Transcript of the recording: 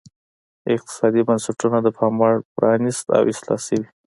اقتصادي بنسټونه د پاموړ پرانیست او اصلاح شوي.